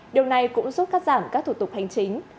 điều này cũng giúp cắt giảm các thủ tục hành chính